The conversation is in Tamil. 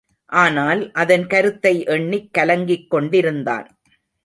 ஆனால் அதன் கருத்தை எண்ணிக் கலங்கிக் கொண்டிருந்தான்!